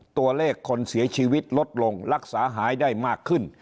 ตัวเลขคนเสียชีวิตลดลงรักษาหายได้มากขึ้น